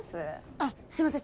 あっすいません